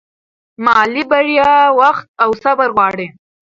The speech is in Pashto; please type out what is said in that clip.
مالي بریا وخت او صبر غواړي.